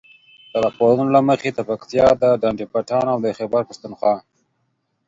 د راپورونو له مخې د پکتیا د ډنډ پټان او د خيبر پښتونخوا